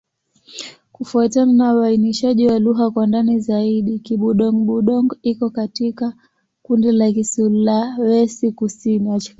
Kufuatana na uainishaji wa lugha kwa ndani zaidi, Kibudong-Budong iko katika kundi la Kisulawesi-Kusini.